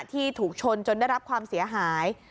ที่ถูกชนจนได้รับความเสียหาย